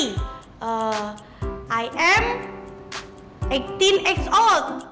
saya delapan belas tahun